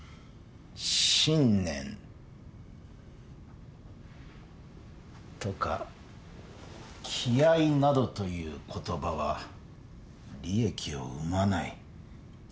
「信念」とか「気合」などという言葉は利益を生まない。